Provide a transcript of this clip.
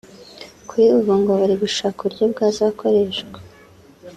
Kuri ubu ngo bari gushaka uburyo bwazakoreshwa